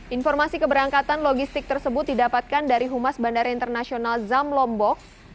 informasi keberangkatan logistik tersebut didapatkan dari humas bandara internasional zam lombok